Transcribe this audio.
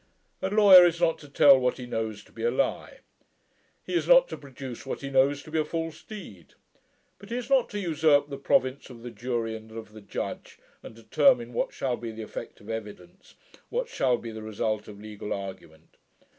A lawyer is not to tell what he knows to be a lie: he is not to produce what he knows to be a false deed; but he is not to usurp the province of the jury and of the judge, and determine what shall be the effect of evidence what shall be the result of legal argument.